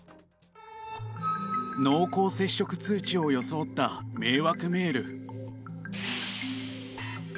濃厚接触通知を装った迷惑メール。